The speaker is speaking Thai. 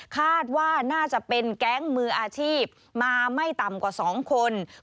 คาดว่าน่าจะเป็นแก๊งมืออาชีพมาไม่ต่ำกว่า๒คน